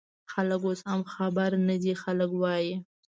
خلک اوس هم خبر نه دي، خلک وايي